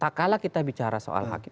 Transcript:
tak kalah kita bicara soal hakim